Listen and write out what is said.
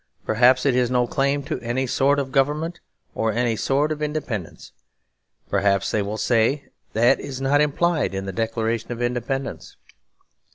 Perhaps it has no claim to any sort of government or any sort of independence. Perhaps they will say that is not implied in the Declaration of Independence.